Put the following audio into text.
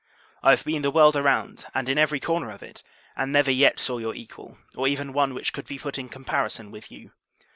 I have been the world around, and in every corner of it, and never yet saw your equal, or even one which could be put in comparison with you.